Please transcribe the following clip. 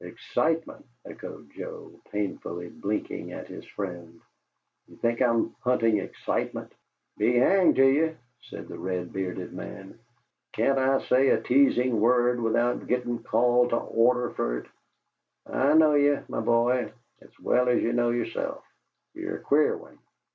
"Excitement!" echoed Joe, painfully blinking at his friend. "Do you think I'm hunting excitement?" "Be hanged to ye!" said the red bearded man. "Can't I say a teasing word without gittin' called to order fer it? I know ye, my boy, as well as ye know yerself. Ye're a queer one.